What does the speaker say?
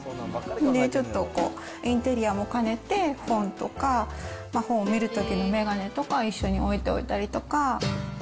ちょっとこう、インテリアも兼ねて、本とか、本を見るときの眼鏡とか、一緒に置いておいたりとか。